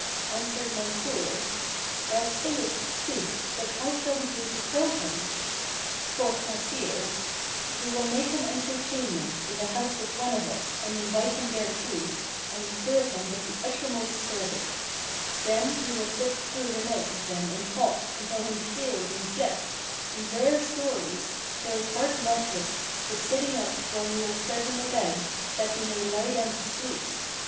Answered Mansur, "Thou sayest sooth, but how shall we do to kill him?" Quoth Nasir, "We will make an entertainment in the house of one of us and invite him thereto and serve him with the uttermost service. Then will we sit through the night with him in talk and tell him tales and jests and rare stories till his heart melteth with sitting up when we will spread him a bed, that he may lie down to sleep.